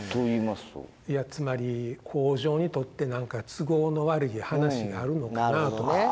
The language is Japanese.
いやつまり北条にとって何か都合の悪い話があるのかなとか。